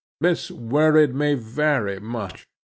This worried me very much.